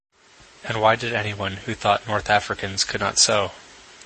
And why did anyone who thought North Africans could not sew?